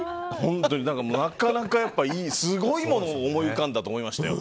なかなかすごいものが思い浮かんだと思いましたよ。